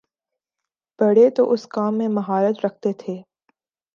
بڑے تو اس کام میں مہارت رکھتے تھے۔